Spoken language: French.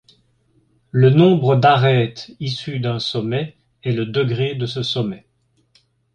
Le nombre d'arêtes issues d'un sommet est le degré de ce sommet.